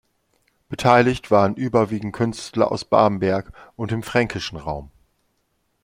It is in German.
Beteiligt waren überwiegend Künstler aus Bamberg und dem fränkischen Raum.